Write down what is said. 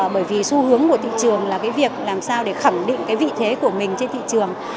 bởi vì xu hướng của thị trường là cái việc làm sao để khẳng định cái vị thế của mình trên thị trường